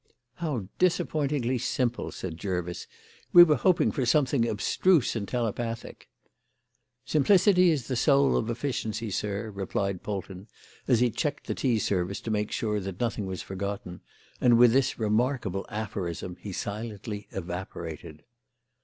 "How disappointingly simple," said Jervis. "We were hoping for something abstruse and telepathic." "Simplicity is the soul of efficiency, sir," replied Polton as he checked the tea service to make sure that nothing was forgotten, and with this remarkable aphorism he silently evaporated.